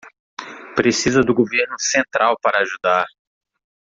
Precisa do governo central para ajudar